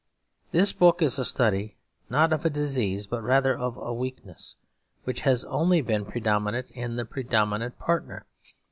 This book is a study, not of a disease but rather of a weakness, which has only been predominant in the predominant partner.